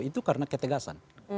itu karena ketegasan